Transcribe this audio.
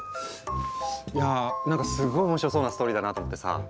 いやぁなんかすごい面白そうなストーリーだなと思ってさ。